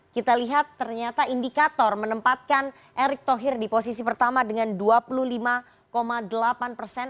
kita lihat ternyata indikator menempatkan erick thohir di posisi pertama dengan dua puluh lima delapan persen